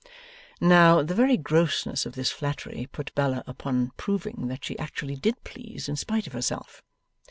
Now, the very grossness of this flattery put Bella upon proving that she actually did please in spite of herself.